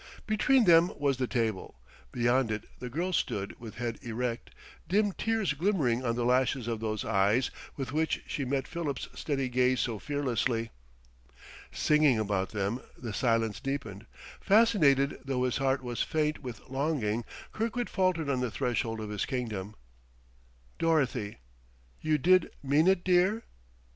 Between them was the table. Beyond it the girl stood with head erect, dim tears glimmering on the lashes of those eyes with which she met Philip's steady gaze so fearlessly. Singing about them, the silence deepened. Fascinated, though his heart was faint with longing, Kirkwood faltered on the threshold of his kingdom. "Dorothy!... You did mean it, dear?"